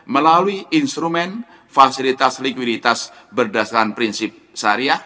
melalui instrumen fasilitas likuiditas berdasarkan prinsip syariah